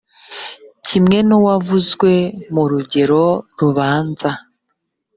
kimwe nuwavuzwe mu rugero rubanza.